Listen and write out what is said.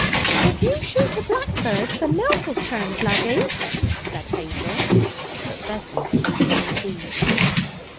'If you shoot a blackbird, the milk'll turn bloody,' said Hazel; but Vessons paid no heed.